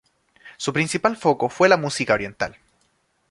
Su principal foco fue la música oriental.